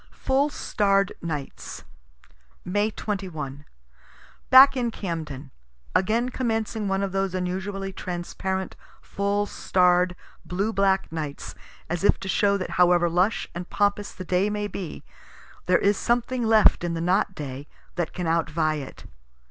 FULL STARR'D NIGHTS May 2l. Back in Camden. Again commencing one of those unusually transparent, full starr'd, blue black nights, as if to show that however lush and pompous the day may be, there is something left in the not day that can outvie it.